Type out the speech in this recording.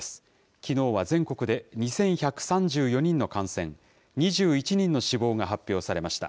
きのうは全国で２１３４人の感染、２１人の死亡が発表されました。